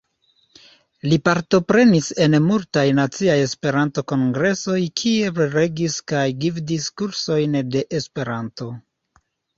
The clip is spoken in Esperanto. Li partoprenis en multaj naciaj Esperanto-kongresoj kie prelegis kaj gvidis kursojn de Esperanto.